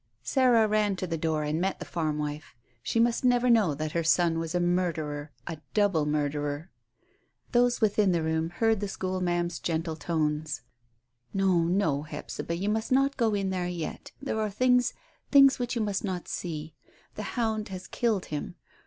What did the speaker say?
Sarah ran to the door and met the farm wife. She must never know that her son was a murderer a double murderer. Those within the room heard the school ma'am's gentle tones. "No, no, Hephzibah, you must not go in there yet. There are things things which you must not see. The hound has killed him.